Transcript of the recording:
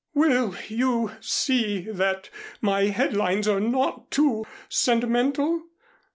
Will you see that my headlines are not too sentimental?